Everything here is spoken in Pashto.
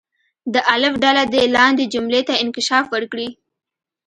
د الف ډله دې لاندې جملې ته انکشاف ورکړي.